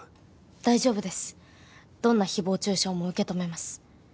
大丈夫ですどんな誹謗中傷も受け止めます